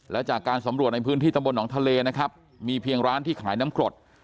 และจากการสำรวจในพื้นที่ตำบลหนองทะเลนะครับมีเพียงร้านที่ขายน้ำกรด